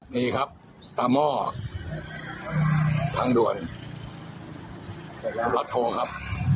นี่ครับตามออกทั้งด่วนแล้วเราโทรครับ